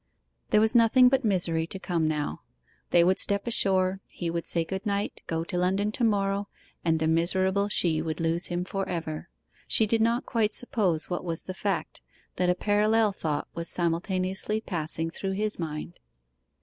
There was nothing but misery to come now. They would step ashore; he would say good night, go to London to morrow, and the miserable She would lose him for ever. She did not quite suppose what was the fact, that a parallel thought was simultaneously passing through his mind.